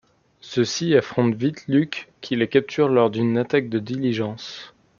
Ceux-ci affrontent vite Luke qui les capture lors d'une attaque de diligence.